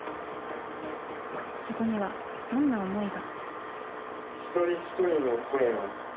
そこにはどんな思いが。